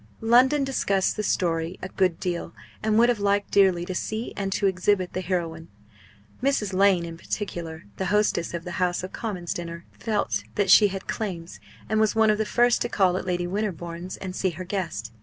London discussed the story a good deal; and would have liked dearly to see and to exhibit the heroine. Mrs. Lane in particular, the hostess of the House of Commons dinner, felt that she had claims, and was one of the first to call at Lady Winterbourne's and see her guest.